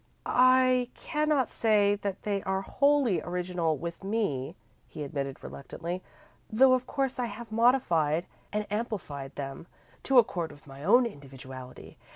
"I cannot say that they are wholly original with me," he admitted, reluctantly, "though of course I have modified and amplified them to accord with my own individuality.